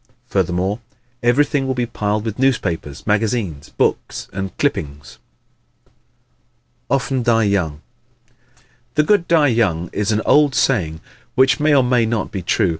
Furthermore, everything will be piled with newspapers, magazines, books and clippings. Often Die Young ¶ "The good die young" is an old saying which may or may not be true.